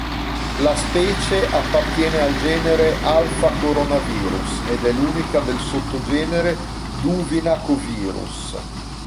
La specie appartiene al genere "Alphacoronavirus" ed è l'unica del sottogenere "Duvinacovirus".